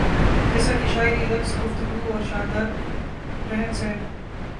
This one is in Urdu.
جیسا کہ شاعری رقص گفتگو اور شاندار رہن سہن